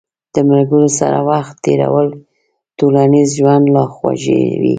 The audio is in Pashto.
د ملګرو سره وخت تېرول ټولنیز ژوند لا خوږوي.